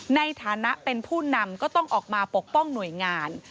ในฐานะเป็นผู้นำก็ต้องออกมาปกป้องหน่วยงาน